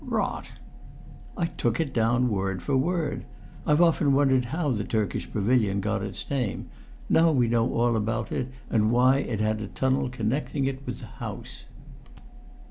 '" "Rot!" "I took it down word for word. I've often wondered how the Turkish Pavilion got its name; now we know all about it, and why it had a tunnel connecting it with the house."